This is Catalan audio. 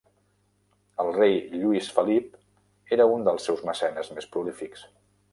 El rei Lluís Felip era un dels seus mecenes més prolífics.